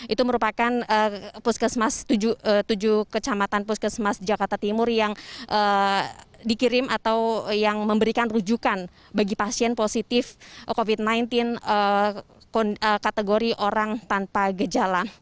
itu merupakan puskesmas tujuh kecamatan puskesmas jakarta timur yang dikirim atau yang memberikan rujukan bagi pasien positif covid sembilan belas kategori orang tanpa gejala